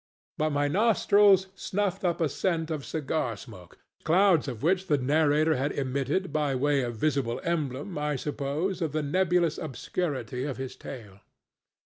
But my nostrils snuffed up a scent of cigar smoke, clouds of which the narrator had emitted by way of visible emblem, I suppose, of the nebulous obscurity of his tale.